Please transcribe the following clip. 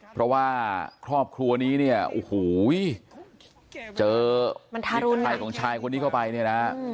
เพราะว่าครอบครัวนี้เนี่ยโอ้โหเจอภัยของชายคนนี้เข้าไปเนี่ยนะ